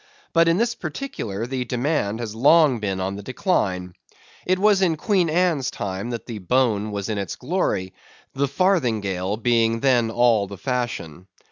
But in this particular, the demand has long been on the decline. It was in Queen Anne's time that the bone was in its glory, the farthingale being then all the fashion.